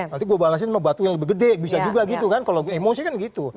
nanti gue balesin sama batu yang lebih gede bisa juga gitu kan kalau emosi kan gitu